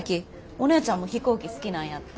おねえちゃんも飛行機好きなんやって。